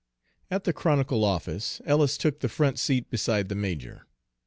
At the Chronicle office Ellis took the front seat beside the major.